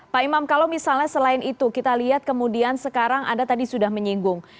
pak imam kalau misalnya selain itu kita lihat kemudian sekarang anda tadi sudah menyinggung